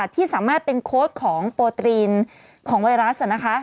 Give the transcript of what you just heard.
ที่สามารถเป็นโค้ชของโปรตรีนของไวรัส